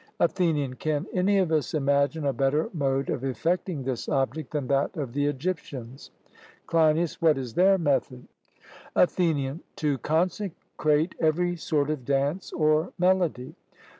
ATHENIAN: Can any of us imagine a better mode of effecting this object than that of the Egyptians? CLEINIAS: What is their method? ATHENIAN: To consecrate every sort of dance or melody.